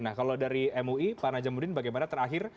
nah kalau dari mui pak najamuddin bagaimana terakhir